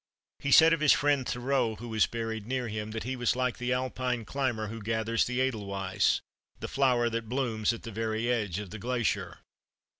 He said of his friend Thoreau, who is buried near him, that he was like the Alpine climber who gathers the edelweiss, the flower that blooms at the very edge of the glacier.